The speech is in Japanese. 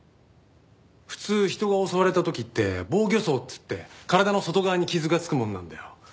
普通人が襲われた時って防御創っつって体の外側に傷がつくものなんだよ。